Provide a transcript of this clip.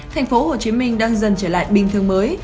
thành phố hồ chí minh đang dần trở lại bình thường mới